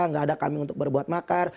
nggak ada kami untuk berbuat makar